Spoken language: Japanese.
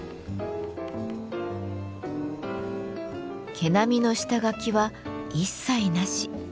毛並みの下書きは一切なし。